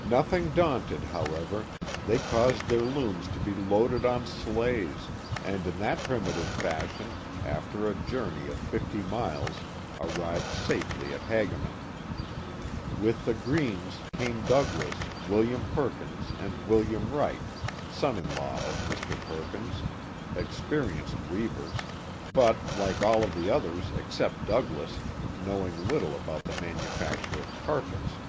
Nothing daunted, however, they caused their looms to be loaded on sleighs and in that primitive fashion, after a journey of fifty miles, arrived safely at Hagaman. With the Greenes came Douglass, William Perkins, and William Wright, son in law of Mr. Perkins, experienced weavers, but, like all of the others except Douglass, knowing little about the manufacture of carpets.